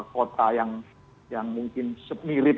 kota yang mungkin semirip